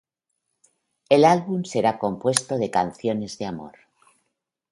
El álbum será compuesto de canciones de amor.